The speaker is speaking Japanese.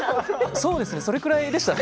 そうですね。それぐらいでしたね。